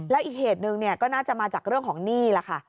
แล้วอีกเหตุหนึ่งก็น่าจะมาจากเรื่องของหนี้ล่ะค่ะ